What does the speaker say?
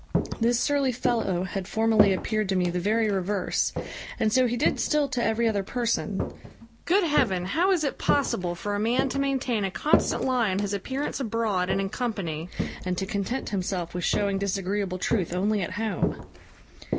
This surly fellow had formerly appeared to me the very reverse, and so he did still to every other person. Good heaven! how is it possible for a man to maintain a constant lie in his appearance abroad and in company, and to content himself with shewing disagreeable truth only at home?